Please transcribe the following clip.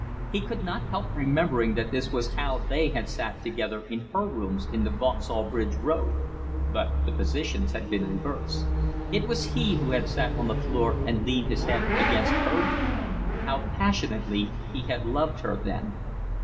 He could not help remembering that this was how they had sat together in her rooms in the Vauxhall Bridge Road, but the positions had been reversed; it was he who had sat on the floor and leaned his head against her knee. How passionately he had loved her then!